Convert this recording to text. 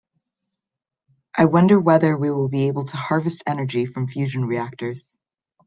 I wonder whether we will be able to harvest energy from fusion reactors.